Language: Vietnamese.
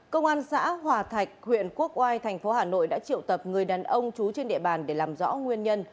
công an xã hòa thạch huyện quốc oai thành phố hà nội đã triệu tập người đàn ông trú trên địa bàn để làm rõ nguyên nhân